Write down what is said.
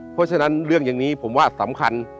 เพราะฉะนั้นเรื่องอย่างนี้ผมว่าสำคัญ